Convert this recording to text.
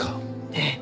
ええ。